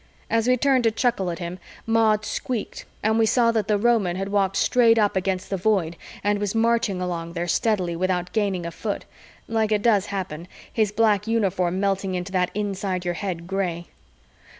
As we turned to chuckle at him, Maud squeaked and we saw that the Roman had walked straight up against the Void and was marching along there steadily without gaining a foot, like it does happen, his black uniform melting into that inside your head gray.